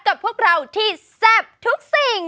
กับพวกเราที่แซ่บทุกสิ่ง